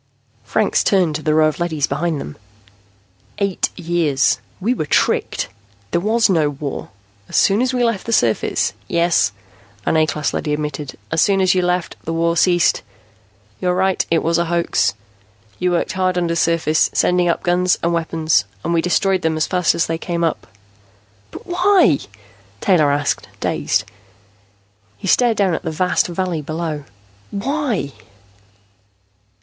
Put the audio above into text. Franks turned to the row of leadys behind them. "Eight years. We were tricked. There was no war. As soon as we left the surface " "Yes," an A class leady admitted. "As soon as you left, the war ceased. You're right, it was a hoax. You worked hard undersurface, sending up guns and weapons, and we destroyed them as fast as they came up." "But why?" Taylor asked, dazed. He stared down at the vast valley below. "Why?"